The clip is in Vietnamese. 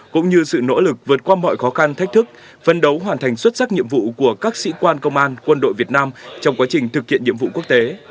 cũng như sự nỗ lực vượt qua mọi khó khăn thách thức phân đấu hoàn thành xuất sắc nhiệm vụ của các sĩ quan công an quân đội việt nam trong quá trình thực hiện nhiệm vụ quốc tế